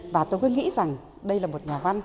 và tôi cứ nghĩ rằng đây là một nhà văn